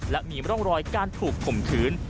และมีร่องรอยการถูกข่มขืน